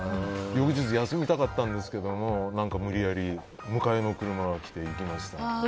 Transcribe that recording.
翌日休みたかったんですけども無理やり迎えの車が来て行きました。